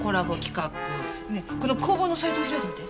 ねぇこの工房のサイトを開いてみて。